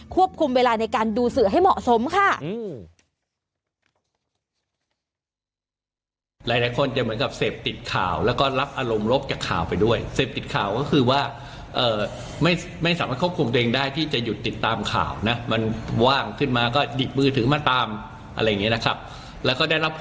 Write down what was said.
เวลาคุมเวลาในการดูสื่อให้เหมาะสมค่ะ